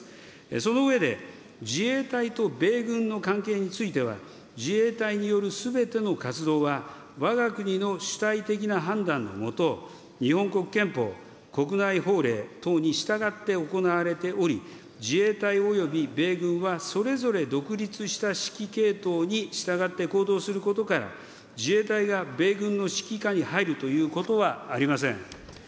その上で、自衛隊と米軍の関係については、自衛隊によるすべての活動は、わが国の主体的な判断の下、日本国憲法、国内法令等に従って行われており、自衛隊および米軍はそれぞれ独立した指揮系統に従って行動することから、自衛隊が米軍の指揮下に入るということはありません。